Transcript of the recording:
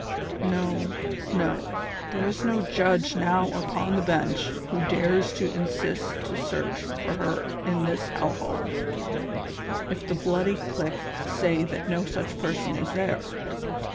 " No, no ; there is no judge now upon the bench who dares to insist to search for her in this hell hole, if the bloody clique say that no such person is there.